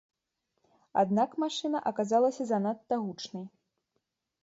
Аднак машына аказалася занадта гучнай.